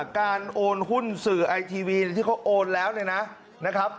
การโอนหุ้นสื่อไอทีวีที่เขาโอนแล้วเนี่ยนะครับ